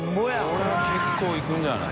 海譴結構いくんじゃない？